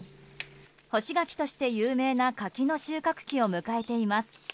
干し柿として有名な柿の収穫期を迎えています。